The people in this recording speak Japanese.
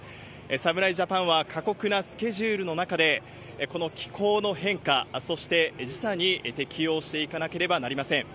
侍ジャパンは過酷なスケジュールの中で、この気候の変化、そして、時差に適応していかなければなりません。